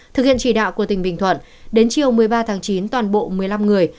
thực hiện chỉ đạo của tỉnh bình thuận đến chiều một mươi ba tháng chín toàn bộ một mươi năm người